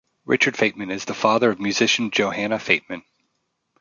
Richard Fateman is the father of musician Johanna Fateman.